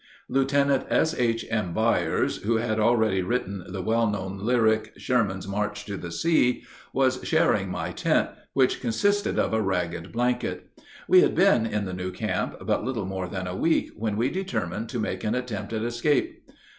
Lieutenant S.H.M. Byers, who had already written the well known lyric "Sherman's March to the Sea," was sharing my tent, which consisted of a ragged blanket. We had been in the new camp but little more than a week when we determined to make an attempt at escape.